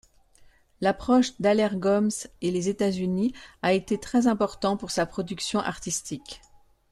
L’approche d’Alair Gomes et les États-Unis a été très important pour sa production artistique.